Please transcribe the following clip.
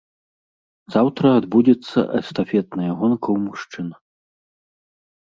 Заўтра адбудзецца эстафетная гонка ў мужчын.